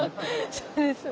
そうですね。